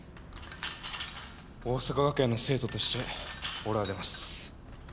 桜咲学園の生徒として俺は出ます。